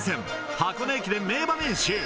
箱根駅伝名場面集。